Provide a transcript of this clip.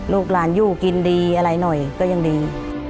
ลูกหลานอยู่กินดีอะไรหน่อยก็ยังดี